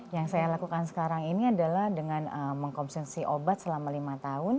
yang saya lakukan sekarang ini adalah dengan mengkonsumsi obat selama lima tahun